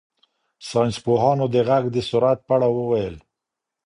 ساینس پوهانو د غږ د سرعت په اړه وویل.